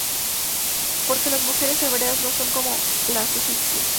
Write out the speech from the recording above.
Porque las mujeres Hebreas no son como las Egipcias.